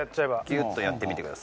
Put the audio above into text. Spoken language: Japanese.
ギューッとやってみてください。